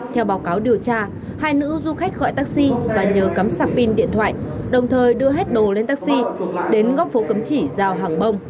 theo báo cáo điều tra hai nữ du khách gọi taxi và nhờ cắm sạc pin điện thoại đồng thời đưa hết đồ lên taxi đến góc phố cấm chỉ giao hàng bông